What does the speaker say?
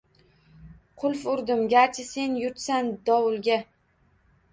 Qulf urdim, garchi sen yurtsan dovulga.